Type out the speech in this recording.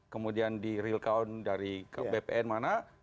kemudian di real count dari bpn mana